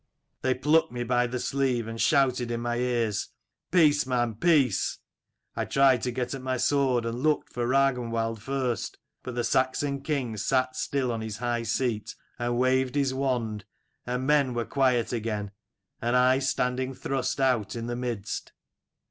They plucked me by the sleeve and shouted in my ears ' Peace man, peace !' I tried to get at my sword, and looked for Ragnwald first. But the Saxon king sat still on his high seat, and waved his wand, and men were quiet again and I standing thrust out in the midst.